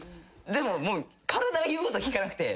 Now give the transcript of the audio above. でももう体が言うこと聞かなくて。